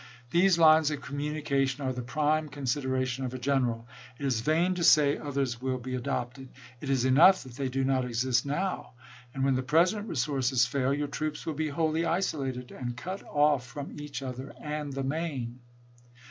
These lines of communication are the prime consideration of a general. It is vain to say others will be adopted. It is enough that they do not exist now ; and, when the present resources fail, your troops will be wholly isolated, and cut off from each other and the main.